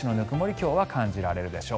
今日は感じられるでしょう。